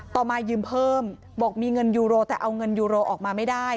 มายืมเพิ่มบอกมีเงินยูโรแต่เอาเงินยูโรออกมาไม่ได้